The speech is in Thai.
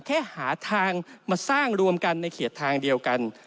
แค่หาทางมาสร้างรวมกันในเขตทางเดียวกัน